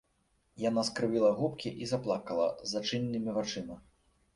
Яна скрывіла губкі і заплакала з зачыненымі вачыма.